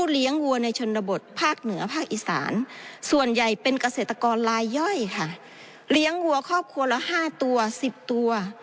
เลี้ยงหัวครอบครัวละ๕ตัว๑๐ตัว